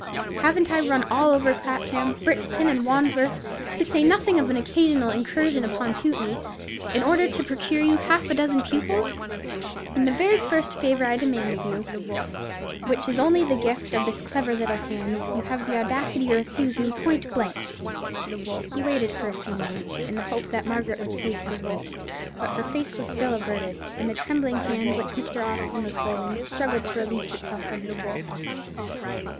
Haven't I run all over Clapham, Brixton, and Wandsworth—to say nothing of an occasional incursion upon Putney—in order to procure you half a dozen pupils? And the very first favour I demand of you, which is only the gift of this clever little hand, you have the audacity to refuse me point blank." He waited for a few moments, in the hope that Margaret would say something; but her face was still averted, and the trembling hand which Mr. Austin was holding struggled to release itself from his grasp.